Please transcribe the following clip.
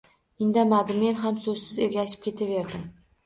Indamadi. Men ham soʻzsiz ergashib ketaverdim.